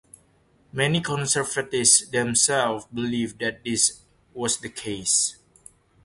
Many Conservatives themselves believed that this was the case.